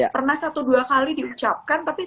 pernah satu dua kali diucapkan tapi